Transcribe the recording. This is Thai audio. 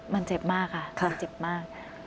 มันเจ็บมากค่ะ